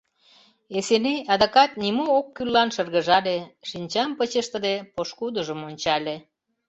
Эсеней адакат нимо-оккӱлан шыргыжале, шинчам пыч ыштыде, пошкудыжым ончале.